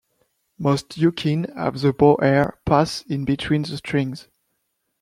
Most huqin have the bow hair pass in between the strings.